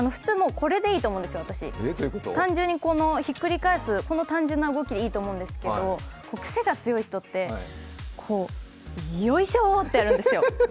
これでいいと思うんですよ、私単純にひっくり返す、この単純な動きでいいと思うんですが癖が強い人って、こうよいしょってやるんですよ。